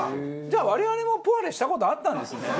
じゃあ我々もポワレした事あったんですね。